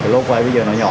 lối quay bây giờ nó nhỏ